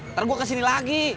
ntar gue kesini lagi